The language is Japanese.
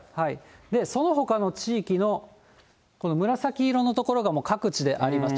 そのほかの地域の、この紫色の所が各地であります。